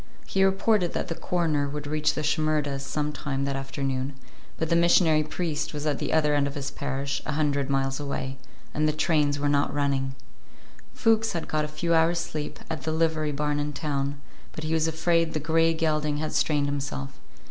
He reported that the coroner would reach the Shimerdas' sometime that afternoon, but the missionary priest was at the other end of his parish, a hundred miles away, and the trains were not running. Fuchs had got a few hours' sleep at the livery barn in town, but he was afraid the gray gelding had strained himself.